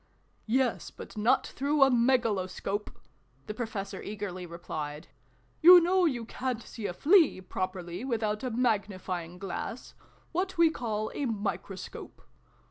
" Yes, but not through a Megaloscope !" the Professor eagerly replied. " You know you can't see a Flea, properly, without a magnify z/^ glass what we call a Microscope.